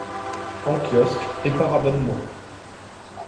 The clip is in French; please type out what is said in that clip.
En kiosque et par abonnement.